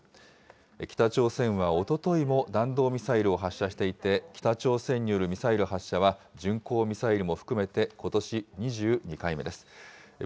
北朝鮮はおとといも弾道ミサイルを発射していて、北朝鮮によるミサイル発射は、巡航ミサイルも含めて、ことし２２回目です。